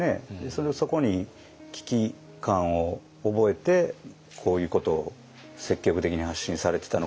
それをそこに危機感を覚えてこういうことを積極的に発信されてたのかもしれないですね。